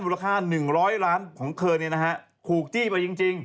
มูลค่า๑๐๐ล้านเงินของเคิร์นนี้ขูกจี้เปล่าจริง